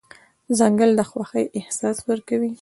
ځنګل د خوښۍ احساس ورکوي.